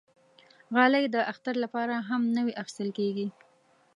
غالۍ د اختر لپاره هم نوی اخېستل کېږي.